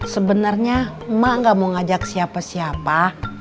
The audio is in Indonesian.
sebenarnya emak gak mau ngajak siapa siapa